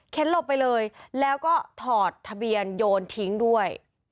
หลบไปเลยแล้วก็ถอดทะเบียนโยนทิ้งด้วย